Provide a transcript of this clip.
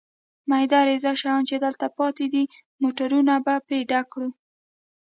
مېده رېزه شیان چې دلته پاتې دي، موټرونه به په ډک کړو.